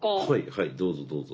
はいどうぞどうぞ。